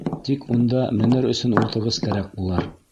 Тик унда менер өсөн ултырғыс кәрәк булыр.